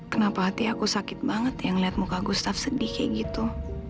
kenapa hati aku sakit banget ya ngeliat muka gue staff sedih kayak gitu